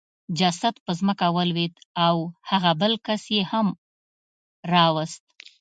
جسد په ځمکه ولوېد او هغه بل کس یې هم راوست